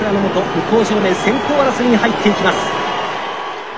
向正面先頭争いに入っていきます。